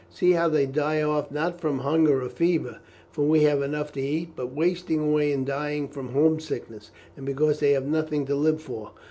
See how they die off, not from hunger or fever, for we have enough to eat, but wasting away and dying from home sickness, and because they have nothing to live for.